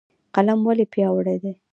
قلم ولې پیاوړی دی؟